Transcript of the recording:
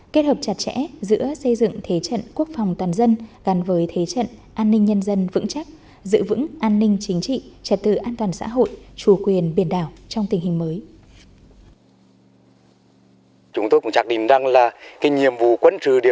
kết hợp chặt chẽ giữa xây dựng thế trận quốc phòng toàn dân gắn với thế trận an ninh nhân dân vững chắc giữ vững an ninh chính trị trật tự an toàn xã hội chủ quyền biển đảo trong tình hình mới